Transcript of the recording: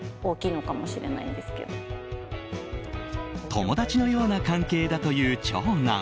友達のような関係だという長男。